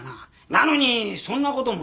なのにそんな事も。